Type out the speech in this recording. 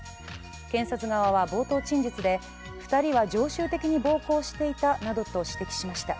検察側は冒頭陳述で２人は常習的に暴行していたなどと指摘しました。